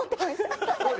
ハハハハ！